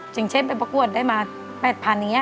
จิงเชฟไปประกวดได้มา๘๐๐๐บาทอย่างนี้